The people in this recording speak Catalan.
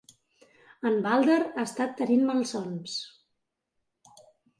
En Baldr ha estat tenint malsons.